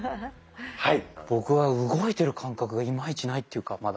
僕は動いてる感覚がいまいちないっていうかまだ。